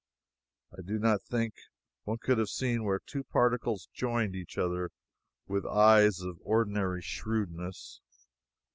I do not think one could have seen where two particles joined each other with eyes of ordinary shrewdness.